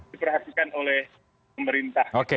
diperhatikan oleh pemerintah